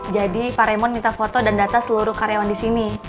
jadi pak raymond minta foto dan data seluruh karyawan di sini